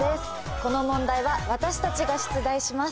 この問題は私たちが出題します